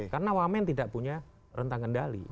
karena wamen tidak punya rentang kendali